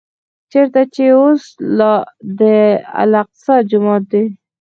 چېرته چې اوس د الاقصی جومات دی.